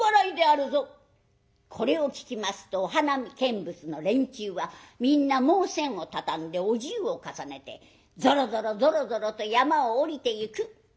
これを聞きますとお花見見物の連中はみんなもうせんを畳んでお重を重ねてぞろぞろぞろぞろと山を下りてゆく。